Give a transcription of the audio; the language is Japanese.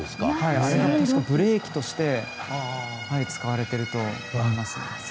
ブレーキとして使われていると思います。